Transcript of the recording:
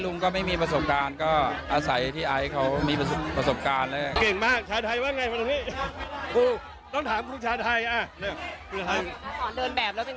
สอนเดินแบบแล้วเป็นยังไง